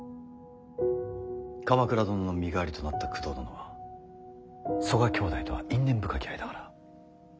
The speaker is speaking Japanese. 鎌倉殿の身代わりとなった工藤殿は曽我兄弟とは因縁深き間柄。